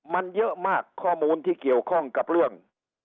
มันเยอะมากข้อมูลที่เกี่ยวข้องกับเรื่อง